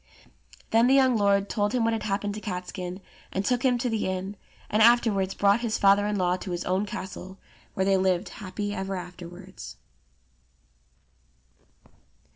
Then the young lord told him what had happened to Catskin, and took him to the inn, and afterwards brought his father in law to his own castle, where they lived happy ever afterwards.